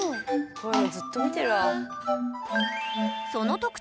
こういうのずっと見てるわ。